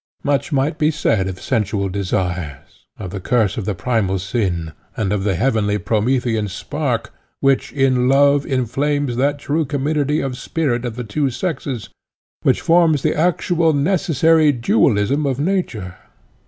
Much might be said of sensual desires, of the curse of the primal sin, and of the heavenly Promethean spark, which in love inflames that true community of spirit of the two sexes, which forms the actual necessary dualism of nature.